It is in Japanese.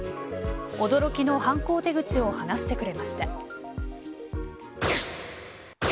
驚きの犯行手口を話してくれました。